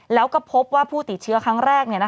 แล้วก็พบว่าผู้ติดเชื้อครั้งแรก